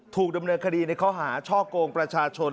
ถูกดำเนินคดีในข้อหาช่อกงประชาชน